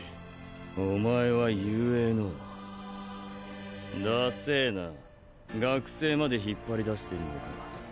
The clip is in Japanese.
おまえは雄英のダセェなァ学生まで引っ張り出してんのか。